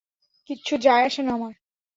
কিচ্ছু যায় আসে না আমার।